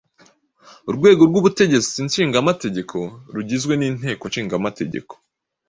urwego rw’Ubutegetsi Nshingategeko rugizwe n’Inteko Nshingamategeko